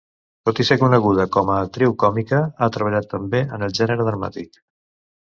Tot i ser coneguda com a actriu còmica, ha treballat també en el gènere dramàtic.